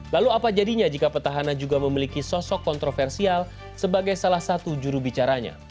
lalu apa jadinya jika petahana juga memiliki sosok kontroversial sebagai salah satu jurubicaranya